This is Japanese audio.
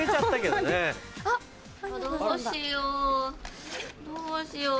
どうしよう？